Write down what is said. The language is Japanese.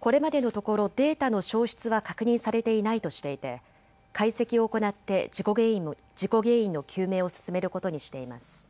これまでのところデータの消失は確認されていないとしていて解析を行って事故原因の究明を進めることにしています。